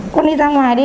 con đi ra ngoài đi